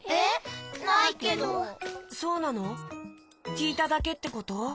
きいただけってこと？